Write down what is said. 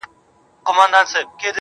ورځيني ليري گرځــم ليــري گــرځــــم.